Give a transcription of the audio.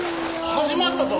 始まったぞ。